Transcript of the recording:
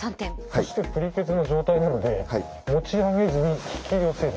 そしてぷりケツの状態なので持ち上げずに引き寄せる。